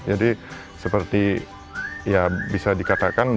jadi seperti ya bisa dikatakan